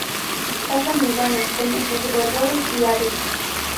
Cazan iguanas, conejos, roedores y aves.